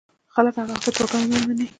خلک هغه فتواګانې ومني.